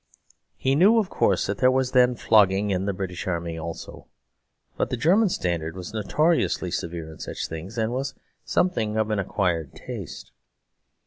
He knew, of course, that there was then flogging in the British army also; but the German standard was notoriously severe in such things, and was something of an acquired taste.